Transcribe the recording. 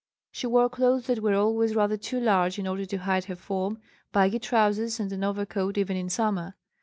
She wore clothes that were always rather too large in order to hide her form, baggy trousers, and an overcoat even in summer.